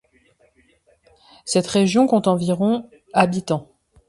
Cette région compte environ habitants.